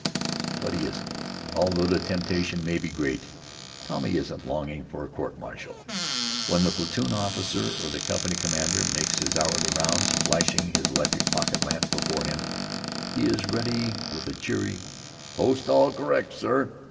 But he isn't. Although the temptation may be great, Tommy isn't longing for a court martial. When the platoon officer or the company commander makes his hourly rounds, flashing his electric pocket lamp before him, he is ready with a cheery "Post all correct, sir!"